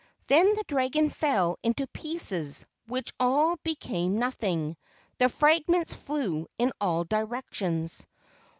Then the dragon fell into pieces, which all became nothing. The fragments flew in all directions.